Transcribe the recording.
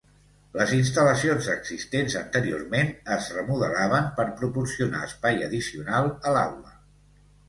Les instal·lacions existents anteriorment es remodelaven per proporcionar espai addicional a l'aula.